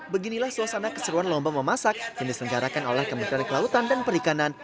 beginilah suasana keseruan lomba memasak yang diselenggarakan oleh kementerian kelautan dan perikanan